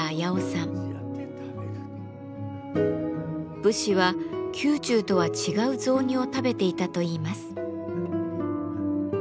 武士は宮中とは違う雑煮を食べていたといいます。